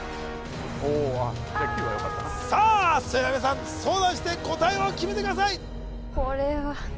さあそれでは皆さん相談して答えを決めてください